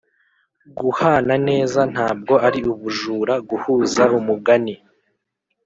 guhana neza ntabwo ari ubujura guhuza umugani